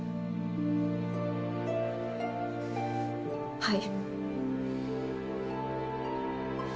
はい。